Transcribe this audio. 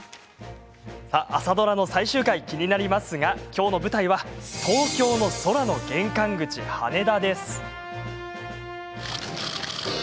朝ドラの最終回は気になりますが、今日の舞台は東京の空の玄関口、羽田です。